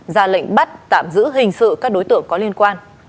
ra lệnh bắt tạm giữ hình sự các đối tượng có liên quan